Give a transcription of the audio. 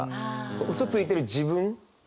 嘘ついてる自分。